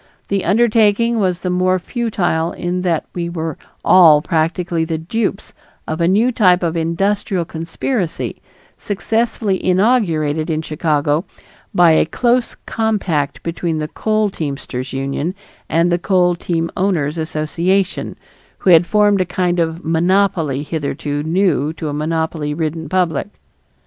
The undertaking was the more futile in that we were all practically the dupes of a new type of "industrial conspiracy" successfully inaugurated in Chicago by a close compact between the coal teamsters' union and the coal team owners' association, who had formed a kind of monopoly hitherto new to a monopoly ridden public.